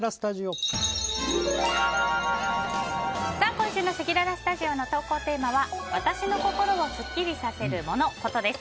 今週のせきららスタジオの投稿テーマは私の心をスッキリさせるモノ・コトです。